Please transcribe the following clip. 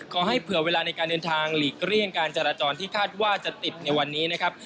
ขอให้เผื่อเวลาในการเดินทางหลีกเลี่ยงการจราจรที่คาดว่าจะติดในวันนี้นะครับ